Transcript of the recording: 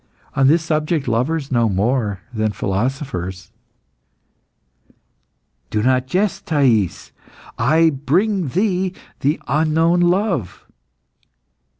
On this subject lovers know more than philosophers." "Do not jest, Thais. I bring thee the unknown love."